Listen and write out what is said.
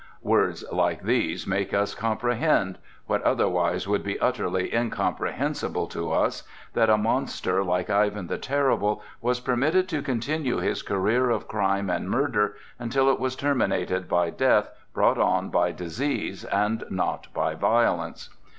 Words like these make us comprehend—what otherwise would be utterly incomprehensible to us—that a monster like Ivan the Terrible was permitted to continue his career of crime and murder until it was terminated by death brought on by disease and not by violence.